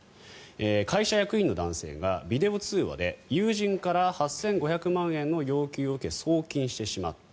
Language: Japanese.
会社役員の男性がビデオ通話で友人から８５００万円の要求を受け送金してしまった。